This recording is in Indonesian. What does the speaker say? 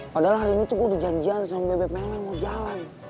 padahal hari ini tuh gue udah janjian sama bebet melmel yang mau jalan